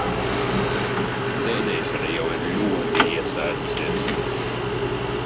Sēdēšana jau ir ļoti iesēdusies.